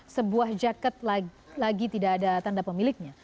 sebuah jaket lagi tidak ada tanda pemiliknya